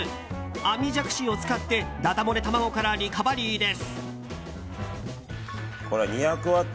網じゃくしを使ってダダ漏れ卵からリカバリーです。